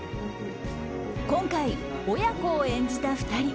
今回、親子を演じた２人。